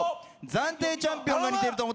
暫定チャンピオンが似てると思ったら赤。